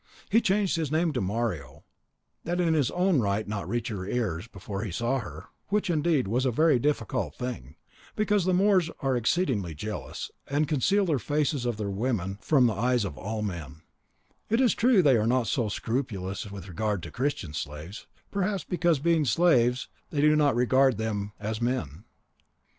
He changed his name to Mario, that his own might not reach her ears before he saw her, which, indeed, was a very difficult thing, because the Moors are exceedingly jealous, and conceal the faces of their women from the eyes of all men; it is true they are not so scrupulous with regard to Christian slaves, perhaps, because being slaves they do not regard them as men.